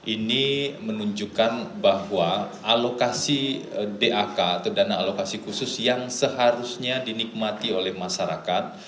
ini menunjukkan bahwa alokasi dak atau dana alokasi khusus yang seharusnya dinikmati oleh masyarakat